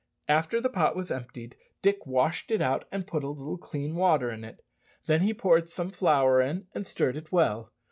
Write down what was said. After the pot was emptied, Dick washed it out, and put a little clean water in it. Then he poured some flour in, and stirred it well.